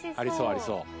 ありそう。